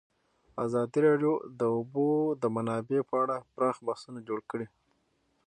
ازادي راډیو د د اوبو منابع په اړه پراخ بحثونه جوړ کړي.